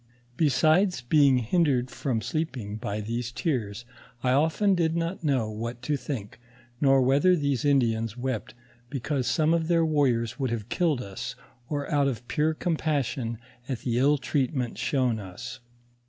Besides being hindered Air ' at t tm^. ;i; i 122 NABBATIYE OF FATHEB HENNEPIK. from sleeping by these tears, I often did not know what to think, nor whether these Indians wept because some of their warriors would have killed us, or out of pure compassion at the ill treatment shown us.